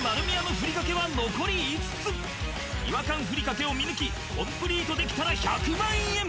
ふりかけを見抜きコンプリートできたら１００万円！